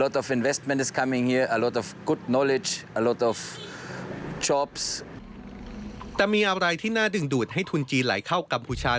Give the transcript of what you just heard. แต่มีอะไรที่น่าดึงดูดให้ทุนจีนไหลเข้ากัมพูชา